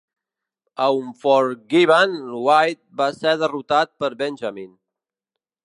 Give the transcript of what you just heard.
A Unforgiven, White va ser derrotat per Benjamin.